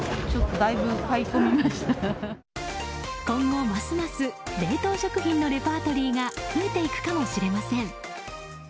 今後ますます冷凍食品のレパートリーが増えていくかもしれません。